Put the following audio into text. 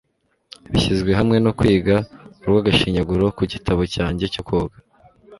bishyizwe hamwe no kwiga urw'agashinyaguro ku gitabo cyanjye cyo koga